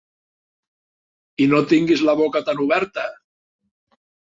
I no tinguis la boca tan oberta!